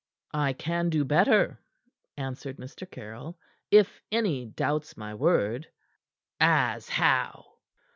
"I can do better," answered Mr. Caryll, "if any doubts my word." "As how?"